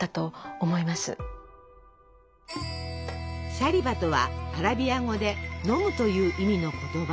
「シャリバ」とはアラビア語で「飲む」という意味の言葉。